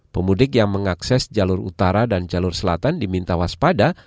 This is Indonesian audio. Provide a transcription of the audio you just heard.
pemudik yang mengakses jalur utara dan jalur selatan diminta waspada